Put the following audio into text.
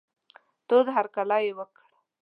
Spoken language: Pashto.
تود هرکلی یې وکړ.